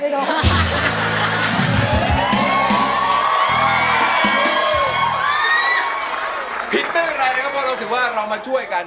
ผิดเผื่อไรนะครับพวกเราถือว่าเรามาช่วยกัน